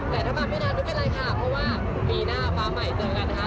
แต่ถ้าปรับไม่ไนก็เป็นอะไรค่ะเพราะว่าปีหน้าอะไรเจอกันนะคะ